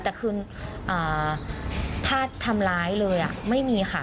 แต่คือถ้าทำร้ายเลยไม่มีค่ะ